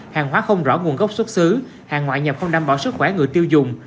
hàng hóa không rõ nguồn gốc xuất xứ hàng ngoại nhập không đảm bảo sức khỏe người tiêu dùng